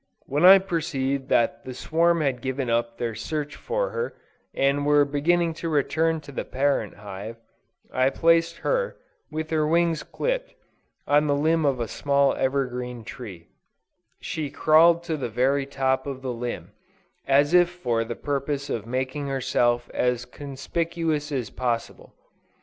When I perceived that the swarm had given up their search for her, and were beginning to return to the parent hive, I placed her, with her wings clipped, on the limb of a small evergreen tree: she crawled to the very top of the limb, as if for the purpose of making herself as conspicuous as possible.